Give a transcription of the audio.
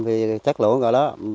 thì chất lũ rồi đó